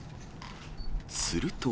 すると。